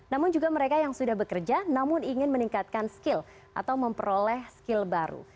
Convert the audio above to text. namun juga mereka yang sudah bekerja namun ingin meningkatkan skill atau memperoleh skill baru